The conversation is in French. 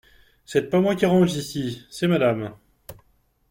C’est pas moi qui range ici !… c’est Madame.